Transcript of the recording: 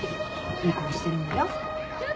いい子にしてるんだよ。